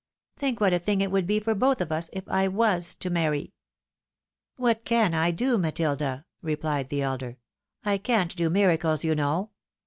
Think what a thing it would be for both of us, if I was to marry !"" What can I do, Matilda ?" replied the elder ;" I can't do miracles, you know."